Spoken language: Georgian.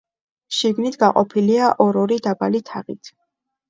შიგნით გაყოფილია ორ-ორი დაბალი თაღით.